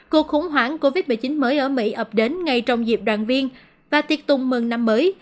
cuộc khủng hoảng covid một mươi chín mới ở mỹ ập đến ngay trong dịp đoàn viên và tiệt tùng mừng năm mới